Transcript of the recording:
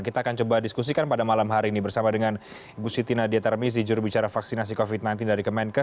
kita akan coba diskusikan pada malam hari ini bersama dengan ibu siti nadia tarmizi jurubicara vaksinasi covid sembilan belas dari kemenkes